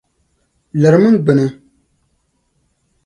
Lirimi m gbini!